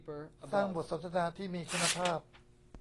"สร้างบทสนทนาที่มีคุณภาพ"